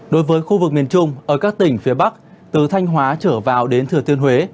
đối với khu vực miền trung ở các tỉnh phía bắc từ thanh hóa trở vào đến thừa thiên huế